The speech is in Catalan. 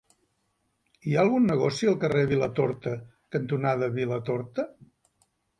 Hi ha algun negoci al carrer Vilatorta cantonada Vilatorta?